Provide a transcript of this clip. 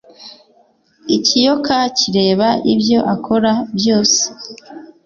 Ikiyoka kireba ibyo akora byose